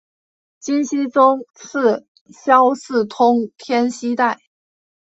金熙宗赐萧肄通天犀带。